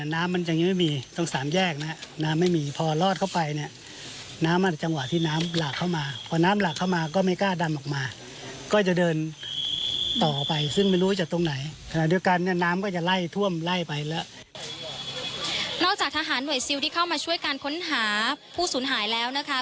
นอกจากทหารหน่วยซิลที่เข้ามาช่วยการค้นหาผู้สูญหายแล้วนะคะ